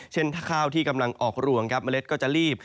เช่นข้าวที่กำลังออกรวงครับเมล็ดก็จะรีบ